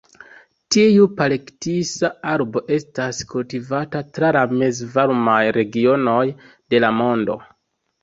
Tiu palearktisa arbo estas kultivata tra la mezvarmaj regionoj de la mondo.